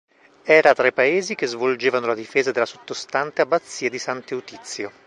Era tra i paesi che svolgevano la difesa della sottostante abbazia di Sant'Eutizio.